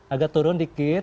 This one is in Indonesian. agak turun dikit